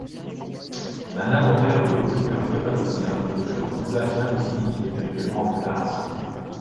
Un inventaire des locuteurs cappadociens et de leur usage linguistique est actuellement en préparation.